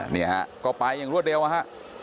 นี่ฮะก็ไปอย่างรวดเร็วนะฮะ